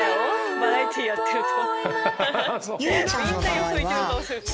バラエティーやってると。